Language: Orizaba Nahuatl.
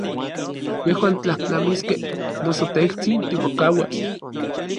Yejuan tlajtlamiskej, noso tejtsin timokauas.